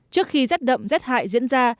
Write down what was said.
trước khi rét đậm rét hại diễn ra